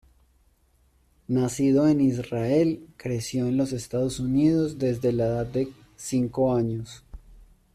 Nacido en Israel, creció en los Estados Unidos desde la edad de cinco años.